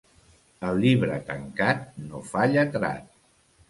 El llibre tancat no fa lletrat.